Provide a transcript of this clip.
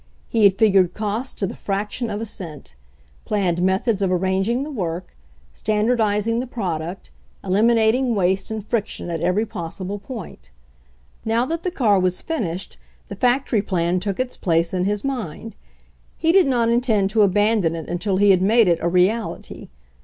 He had figured costs to the fraction of a cent; planned methods of ar ranging the work, standardizing the product, eliminating waste and friction at every possible point. Now that the car was finished, the factory plan took its place in his mind. He did not intend to abandon it until he had made it a reality.